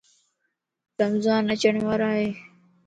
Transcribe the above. رمضان اچڻ وارائي